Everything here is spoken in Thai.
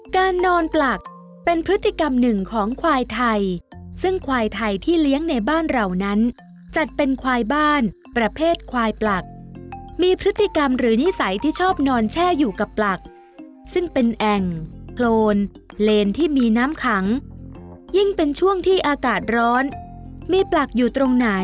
การนอนปลักเป็นพฤติกรรมหนึ่งของควายไทยซึ่งควายไทยที่เลี้ยงในบ้านเหล่านั้นจัดเป็นควายบ้านประเภทควายปลักมีพฤติกรรมหรือนิสัยที่ชอบนอนแช่อยู่กับปลักซึ่งเป็นแอ่งโคนเลนที่มีน้ำขังยิ่งเป็นช่วงที่อากาศร้อนมีปลักอยู่กับปลักซึ่งเป็นแอ่งโคนเลนที่มีน้ำขังยิ่งเป็นช่วงที่อากา